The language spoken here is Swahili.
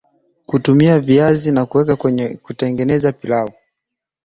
Kutumia viazi na weka kwenye kutengeneza pilau